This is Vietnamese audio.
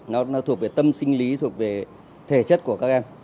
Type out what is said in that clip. nó thuộc về tâm sinh lý thuộc về thể chất của các em